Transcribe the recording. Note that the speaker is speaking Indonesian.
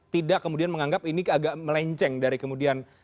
tidak kemudian menganggap ini agak melenceng dari kemudian